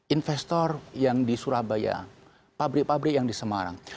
investor yang di surabaya pabrik pabrik yang di semarang